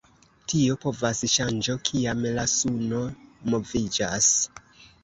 Tio povas ŝanĝo kiam la suno moviĝas.